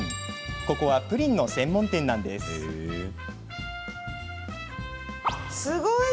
ここはプリンの専門店なんです。